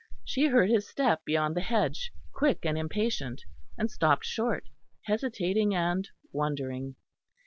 She heard his step beyond the hedge, quick and impatient, and stopped short, hesitating and wondering.